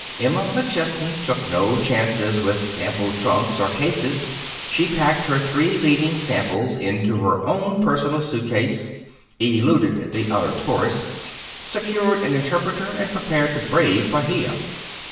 Emma McChesney took no chances with sample trunks or cases. She packed her three leading samples into her own personal suitcase, eluded the other tourists, secured an interpreter, and prepared to brave Bahia.